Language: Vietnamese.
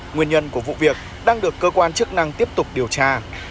nguyên nhân của vụ việc đang được cơ quan chức năng tiếp tục điều tra